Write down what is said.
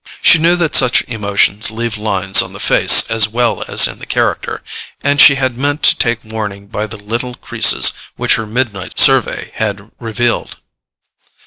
She knew that such emotions leave lines on the face as well as in the character, and she had meant to take warning by the little creases which her midnight survey had revealed.